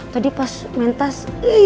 tadi pas main tas